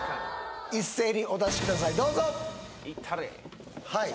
一斉にお出しください